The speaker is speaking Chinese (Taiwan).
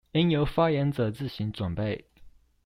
應由發言者自行準備